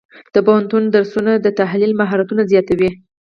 د پوهنتون درسونه د تحلیل مهارتونه زیاتوي.